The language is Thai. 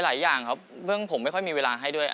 หลายอย่างครับเพิ่งผมไม่ค่อยมีเวลาให้ด้วย